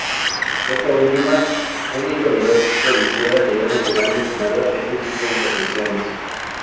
Esta última, única unidad policial a nivel nacional destinada a este tipo de intervenciones.